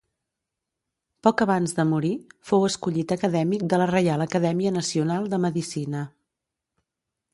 Poc abans de morir fou escollit acadèmic de la Reial Acadèmia Nacional de Medicina.